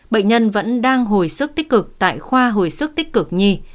bệnh nhân vẫn đang hồi sức tích cực tại khoa hồi sức tích cực nhi